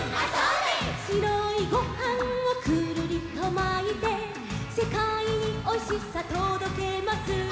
「しろいごはんをくるりとまいて」「せかいにおいしさとどけます」